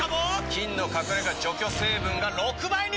菌の隠れ家除去成分が６倍に！